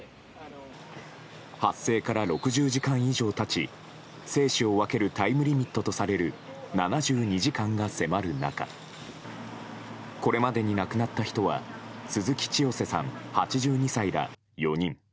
発生から６０時間以上経ち生死を分けるタイムリミットとされる７２時間が迫る中これまでになくなった人は鈴木チヨセさん、８２歳ら４人。